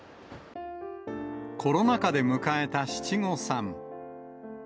コロナ禍で迎えた七五三。